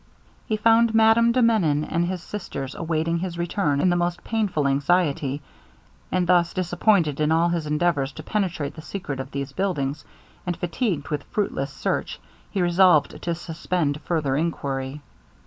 He found Madame de Menon and his sisters awaiting his return in the most painful anxiety; and, thus disappointed in all his endeavours to penetrate the secret of these buildings, and fatigued with fruitless search, he resolved to suspend farther enquiry.